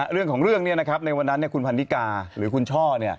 เรื่องของเรื่องในวันนั้นคุณพันธิกาหรือคุณช่อ